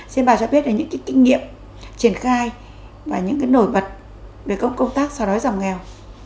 xin bà cho biết là những kinh nghiệm triển khai và những nổi bật về công tác xóa đói giảm nghèo